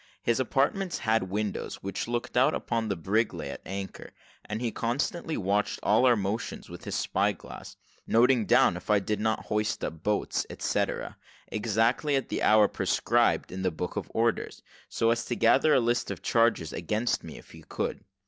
His apartments had windows which looked out upon where the brig lay at anchor; and he constantly watched all our motions with his spy glass, noting down if I did not hoist up boats, etcetera, exactly at the hour prescribed in his book of orders, so as to gather a list of charges against me if he could.